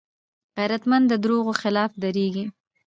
غیرتمند د دروغو خلاف دریږي